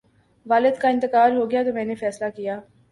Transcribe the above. والد کا انتقال ہو گیا تو میں نے فیصلہ کیا